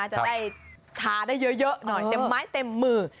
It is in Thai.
จะได้ทาได้เยอะหน่อยเต็มไม้เต็มมือ